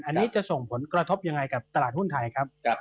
อันนี้จะส่งผลกระทบยังไงกับตลาดหุ้นไทยครับ